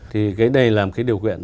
thì cái đây là một cái điều quyền